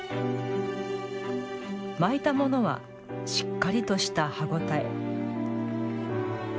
巻いたものはしっかりとした歯応え。